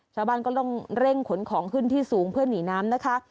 ชาวบ้านก็ต้องเร่งขนของขึ้นที่สูงเพื่อหนีน้ำนะคะ